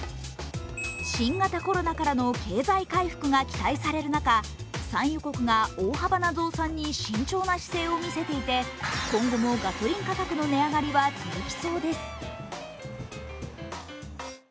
新型コロナからの経済回復が期待される中産油国が大幅な増産に慎重な姿勢を見せていて、今後もガソリン価格の値上がりは続きそうです。